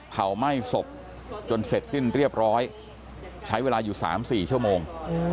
เผาไหม้ศพจนเสร็จสิ้นเรียบร้อยใช้เวลาอยู่๓๔ชั่วโมง